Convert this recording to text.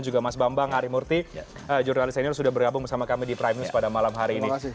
juga mas bambang arimurti jurnalis senior sudah bergabung bersama kami di prime news pada malam hari ini